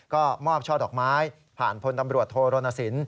ก็มอบช่อดอกไม้ผ่านพลตำรวจโทรณสิน